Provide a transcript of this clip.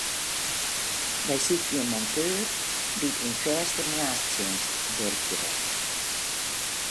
Wy sykje in monteur dy't yn fêste moarnstsjinst wurkje wol.